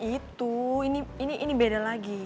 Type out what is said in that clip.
itu ini beda lagi